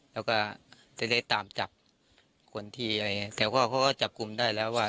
แล้วก็จะได้ตามจับคนที่แต่ว่าเขาก็จับกลุ่มได้แล้วว่า